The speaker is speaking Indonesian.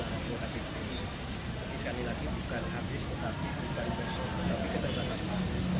sekali lagi bukan habis tetapi bukan bersumpah tapi keterbatasan